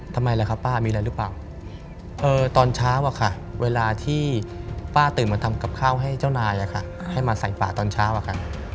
ทำไมละคะป้ามีอะไรรึเปล่าตอนเช้าเวลาที่ป้าตื่นมาทำกับข้าวให้เจ้านายให้มาใส่หฝาตอนเช้า